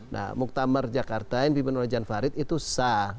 nah muktamar jakarta yang dipimpin oleh jan farid itu sah